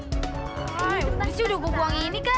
udah sih udah gue buang ini kan